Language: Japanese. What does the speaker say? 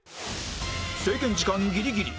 制限時間ギリギリ